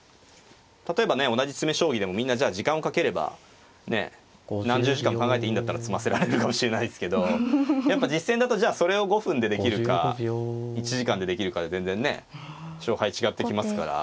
例えばね同じ詰め将棋でもみんなじゃあ時間をかければ何十時間も考えていいんだったら詰ませられるかもしれないっすけどやっぱ実戦だとじゃあそれを５分でできるか１時間でできるかで全然ね勝敗違ってきますから。